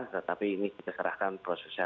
tetapi ini kita serahkan prosesnya